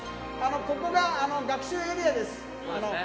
ここが学習エリアです。